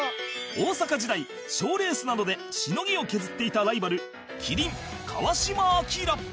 大阪時代賞レースなどでしのぎを削っていたライバル麒麟川島明